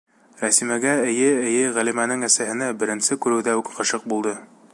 Рәсимәгә, эйе, эйе, Ғәлимәнең әсәһенә, беренсе күреүҙә үк ғашиҡ булды.